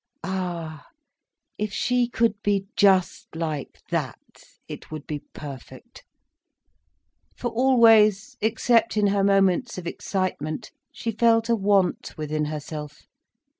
Ah, if she could be just like that, it would be perfect. For always, except in her moments of excitement, she felt a want within herself.